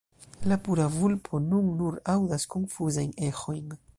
La pura vulpo nun nur aŭdas konfuzajn eĥojn.